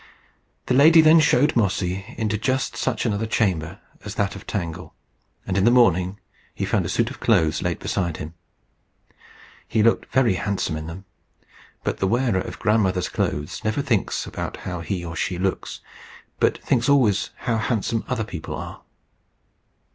The lady then showed Mossy into just such another chamber as that of Tangle; and in the morning he found a suit of clothes laid beside him. He looked very handsome in them. But the wearer of Grandmother's clothes never thinks about how he or she looks, but thinks always how handsome other people are.